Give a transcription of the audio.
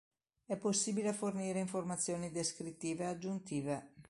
È possibile fornire informazioni descrittive aggiuntive.